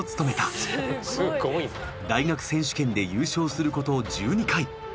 すごい。大学選手権で優勝すること１２回。